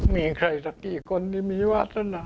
มีใครสักกี่คนที่มีวาสนา